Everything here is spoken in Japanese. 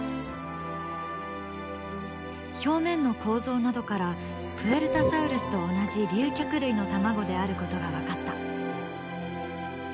表面の構造などからプエルタサウルスと同じ竜脚類の卵であることが分かった。